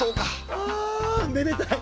あめでたい！